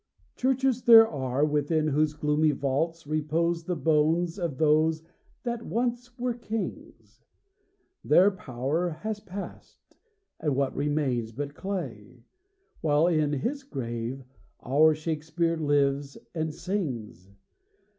Churches there are within whose gloomy vaults Repose the bones of those that once were kings; Their power has passed, and what remains but clay? While in his grave our Shakspeare lives and sings.